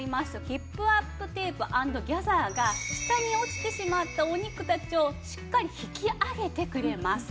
ヒップアップテープ＆ギャザーが下に落ちてしまったお肉たちをしっかり引き上げてくれます。